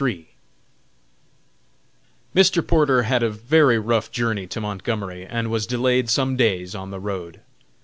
_ Mr. Porter had a very rough journey to Montgomery, and was delayed some days on the road.